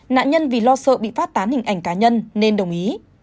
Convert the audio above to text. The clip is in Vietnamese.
nạn nhân vì lo sợ bị phát tán hình ảnh cá nhân nên đồng ý